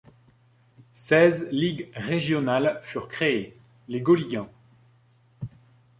Seize ligues régionales furent créées, les Gauligen.